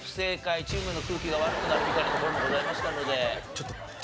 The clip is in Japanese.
チームの空気が悪くなるみたいなところもございましたので。